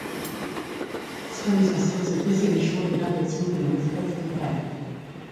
Soit nous en sommes au deuxième jour de l’invasion de mon espace vital.